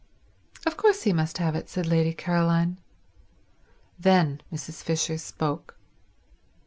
"Of course he must have it," said Lady Caroline. Then Mrs. Fisher spoke.